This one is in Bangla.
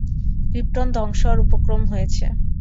ক্রিপ্টন ধ্বংস হওয়ার উপক্রম হয়েছে।